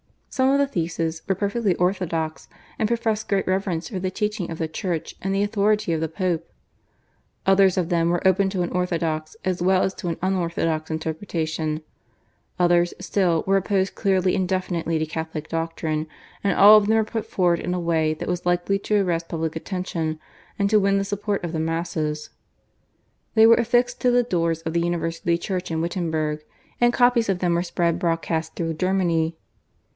Some of the theses were perfectly orthodox and professed great reverence for the teaching of the Church and the authority of the Pope; others of them were open to an orthodox as well as to an unorthodox interpretation; others, still, were opposed clearly and definitely to Catholic doctrine, and all of them were put forward in a way that was likely to arrest public attention and to win the support of the masses. They were affixed to the doors of the university church in Wittenberg, and copies of them were spread broadcast through Germany.